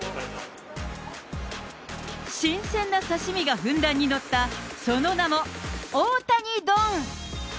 新鮮な刺身がふんだんに載った、その名も、オオタニドン。